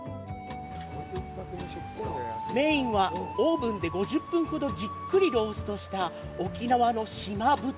メインは、オーブンで５０分ほどじっくりローストした沖縄の島豚。